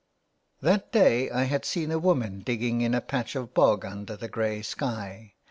That day I had seen a woman digging in a patch of bog under the grey sky.